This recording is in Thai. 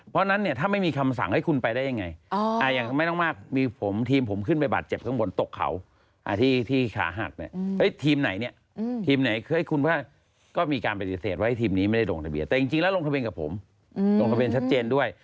เพราะนั้นเนี่ยถ้าไม่มีคำสั่งให้คุณไปได้ยังไง